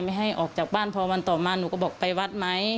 ให้ออกจากบ้านพอวันต่อมาหนูก็บอกไปวัดไหม